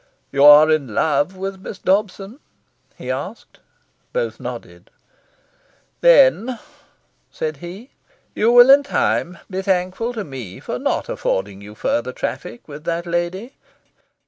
"You are in love with Miss Dobson?" he asked. Both nodded. "Then," said he, "you will in time be thankful to me for not affording you further traffic with that lady.